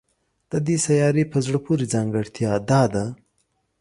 د دې سیارې په زړه پورې ځانګړتیا دا ده